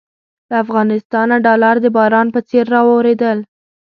له افغانستانه ډالر د باران په څېر رااورېدل.